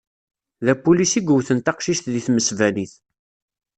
D apulis i yewten taqcict deg temesbanit.